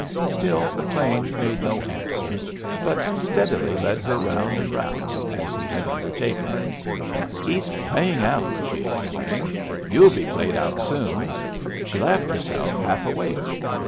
Still McLean made no answer, but steadily led her round and round, as he had undertaken. "He's playing out!" she exclaimed. "You'll be played out soon." She laughed herself half awake.